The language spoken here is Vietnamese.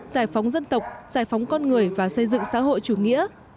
giải phóng dân tộc giải phóng con người và xây dựng xã hội chủ nghĩa